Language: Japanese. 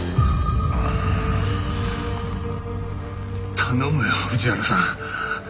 頼むよ藤原さん。